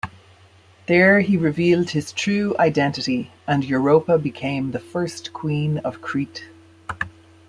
There he revealed his true identity, and Europa became the first queen of Crete.